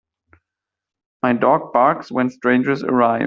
My dog barks when strangers arrive.